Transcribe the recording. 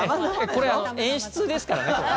これ、演出ですからね。